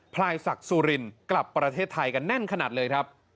พลายศักดิ์สุรินกลับประเทศไทยกันแน่นขนาดเลยครับ